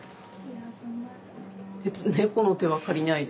別に猫の手は借りないで。